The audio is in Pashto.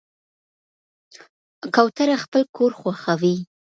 کوتره خپل کور خوښوي.